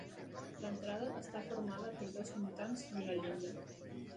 L'entrada està formada per dos muntants i una llinda.